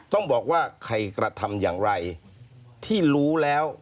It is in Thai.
ต้องบอกว่าใครกระทำอย่างไรที่รู้แล้ว